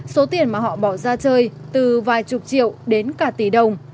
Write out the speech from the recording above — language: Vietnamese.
số tiền mà họ bỏ ra chơi từ vài chục triệu đến cả tỷ đồng